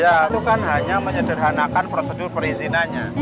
ya itu kan hanya menyederhanakan prosedur perizinannya